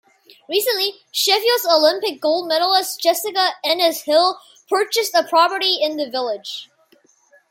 Recently, Sheffield's Olympic gold medalist Jessica Ennis-Hill purchased a property in the village.